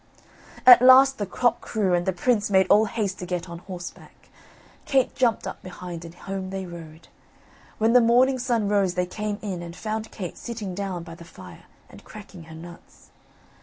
At last the cock crew, and the prince made all haste to get on horseback; Kate jumped up behind, and home they rode. When the morning sun rose they came in and found Kate sitting down by the fire and cracking her nuts.